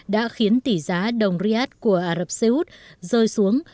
đã khiến tỷ giá đồng riyadh của ả rập xê út rơi xuống